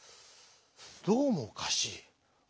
どうもおかしい。